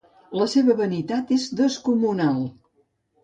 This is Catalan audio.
La seva vanitat és descomunal.